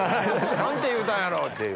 何て言うたんやろう？っていう。